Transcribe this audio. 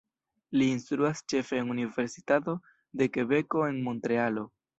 Li instruas ĉefe en Universitato de Kebeko en Montrealo.